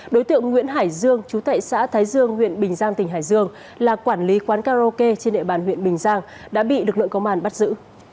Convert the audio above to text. đối tượng nguyễn hải dương chú tệ xã thái dương huyện bình giang tỉnh hải dương là quản lý quán karaoke trên địa bàn huyện bình giang đã bị lực lượng công an bắt giữ